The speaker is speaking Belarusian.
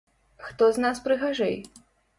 Хто з нас прыгажэй?